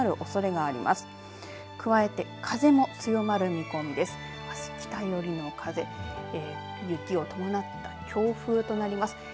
あす北寄りの風雪を伴った強風となります。